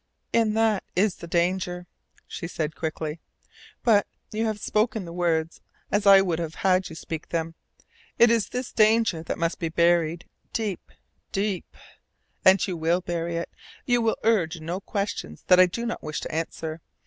"In that is the danger," she said quickly. "But you have spoken the words as I would have had you speak them. It is this danger that must be buried deep deep. And you will bury it. You will urge no questions that I do not wish to answer.